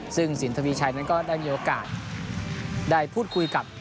ซึ่งสินทวีชัยนั้นก็ได้มีโอกาสได้พูดคุยกับ